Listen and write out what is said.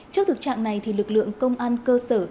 trước thực trạng này thì lực lượng công an cơ sở